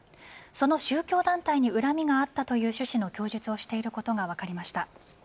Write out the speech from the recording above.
その宗教団体に恨みがあったという趣旨の供述をしていることが分かりました。